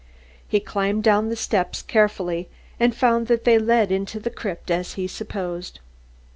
He climbed down the steps carefully and found that they led into the crypt as he supposed.